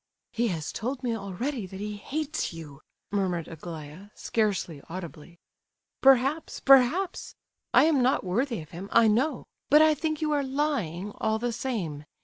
"He has told me already that he hates you," murmured Aglaya, scarcely audibly. "Perhaps, perhaps! I am not worthy of him, I know. But I think you are lying, all the same.